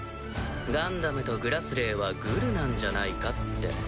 ガンダムとグラスレーはグルなんじゃないかって。